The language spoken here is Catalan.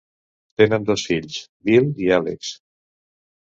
Tenen dos fills, Bill i Alex.